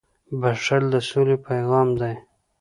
• بښل د سولې پیغام دی.